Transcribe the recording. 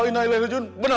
ini sih yang apa pak